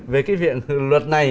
về cái việc luật này